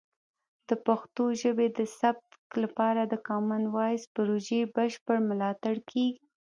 د پښتو ژبې د ثبت لپاره د کامن وایس پروژې بشپړ ملاتړ کیږي.